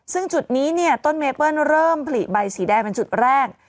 ซึ่งจุดนี้เนี่ยต้นเมเปิ้ลเริ่มผลิใบสีแดงเป็นจุดแรก